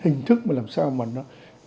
hình thức mà làm sao mà nó